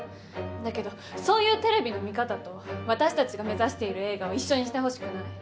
だけどそういうテレビの見方と私たちが目指している映画を一緒にしてほしくない。